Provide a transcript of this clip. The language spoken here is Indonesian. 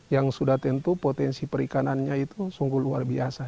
yang sudah tentu potensi perikanannya itu sungguh luar biasa